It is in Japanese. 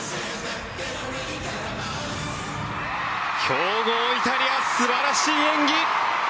強豪イタリア、素晴らしい演技！